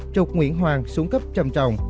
trục nguyễn hoàng xuống cấp trầm trồng